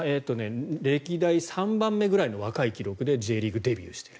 歴代３番目ぐらいの若い記録でＪリーグデビューしている。